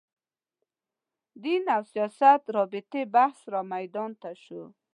دین او سیاست رابطې بحث رامیدان ته شو